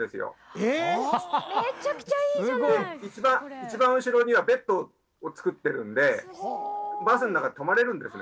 一番後ろにはベッドを作ってるんでバスの中で泊まれるんですね。